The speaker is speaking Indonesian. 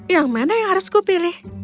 yang mana yang harus kupilih